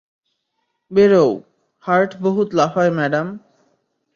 বেড়োও -heart বহুত লাফায় madam.